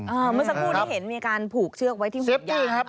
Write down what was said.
เมื่อสักพูดที่เห็นมีการผูกเชือกไว้ที่ห่วงอย่าง